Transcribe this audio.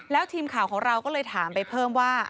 แล้วทีมข่าวของเราก็เลยถามไปเพิ่มว่า